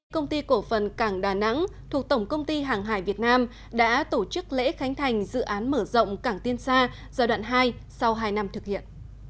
công ty cổ phần cảng đà nẵng thuộc tổng công ty hàng hải việt nam đã tổ chức lễ khánh thành dự án mở rộng cảng tiên sa giai đoạn hai sau hai năm thực hiện